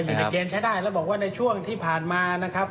อยู่ในเกณฑ์ใช้ได้แล้วบอกว่าในช่วงที่ผ่านมานะครับ